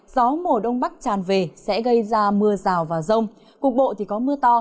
gió mùa đông bắc tràn về sẽ gây ra mưa rào vào rông cục bộ có mưa to